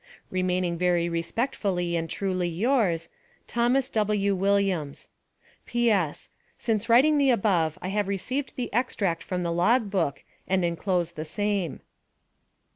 Remaining very respectfully and truly yours, THOMAS W. WILLIAMS. P. S. Since writing the above I have received the extract from the log book, and enclose the same.